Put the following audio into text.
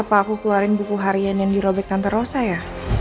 apa aku keluarin buku harian yang dirobek tante rosa ya